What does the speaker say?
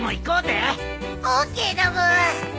ＯＫだブー。